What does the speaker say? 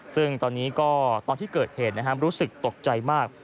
ซึ่งตอนนี้ก็ตอนที่เกิดเหตุรู้สึกตกใจมาก